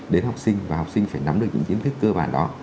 đến học sinh và học sinh phải nắm được những kiến thức cơ bản đó